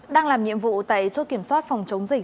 đang làm nhiệm vụ tẩy cho kiểm soát phòng chống dịch